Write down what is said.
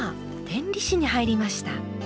天理市に入りました。